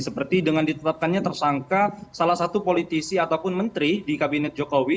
seperti dengan ditetapkannya tersangka salah satu politisi ataupun menteri di kabinet jokowi